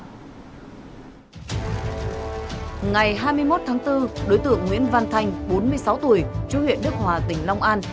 ngày hai mươi một tháng bốn đối tượng nguyễn văn thanh bốn mươi sáu tuổi chú huyện đức hòa tỉnh long an